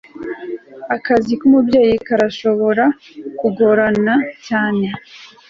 Akazi kumubyeyi karashobora kugorana cyane